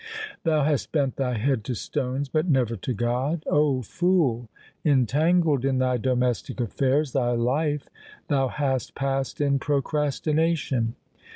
Thou hast bent thy head to stones, but never to God. O fool, entangled in thy domestic affairs, thy life thou hast passed in procrastination.